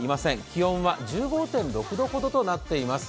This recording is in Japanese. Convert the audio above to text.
気温は１５．６度ほどとなっています。